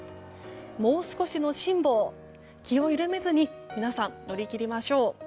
もう少しの辛抱気を緩めずに皆さん乗り切りましょう。